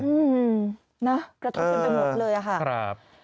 กระจมขึ้นไปหมดเลยอะค่ะ